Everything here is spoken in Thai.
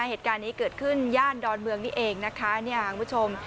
เหตุการณ์นี้เกิดขึ้นย่านดอนเมืองนี่เองนะคะเนี่ยคุณผู้ชม